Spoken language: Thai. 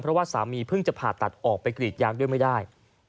เพราะว่าสามีเพิ่งจะผ่าตัดออกไปกรีดยางด้วยไม่ได้